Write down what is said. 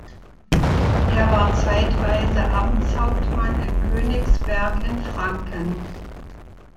Er war zeitweise Amtshauptmann in Königsberg in Franken.